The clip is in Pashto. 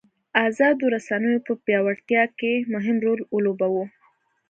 ازادو رسنیو په پیاوړتیا کې مهم رول ولوباوه.